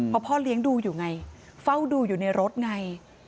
เพราะพ่อเลี้ยงดูอยู่ไงเฝ้าดูอยู่ในรถไง